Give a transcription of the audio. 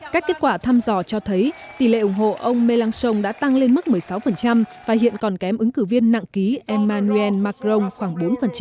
các kết quả thăm dò cho thấy tỷ lệ ủng hộ ông melson đã tăng lên mức một mươi sáu và hiện còn kém ứng cử viên nặng ký emmanuel macron khoảng bốn